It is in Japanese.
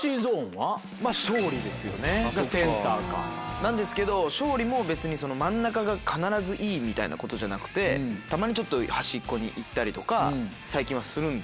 なんですけど勝利も別に真ん中が必ずいいみたいなことじゃなくてたまに端っこに行ったりとか最近はするんです。